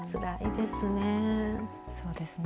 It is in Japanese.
そうですね。